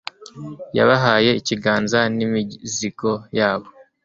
Yabahaye ikiganza n'imizigo yabo.